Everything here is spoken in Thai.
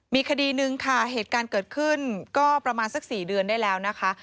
มีคดีหนึ่งค่ะเหตุการณ์เกิดขึ้นก็ประมาณสัก๔เดือนได้แล้วนะคะ